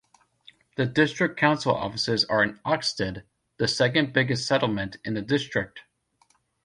The district council offices are in Oxted, the second biggest settlement in the district.